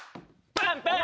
パンパン！